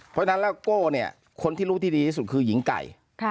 เพราะฉะนั้นแล้วโก้เนี่ยคนที่รู้ที่ดีที่สุดคือหญิงไก่